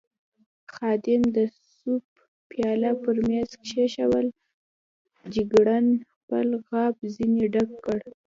خادم د سوپ پیاله پر مېز کېښوول، جګړن خپل غاب ځنې ډک کړ.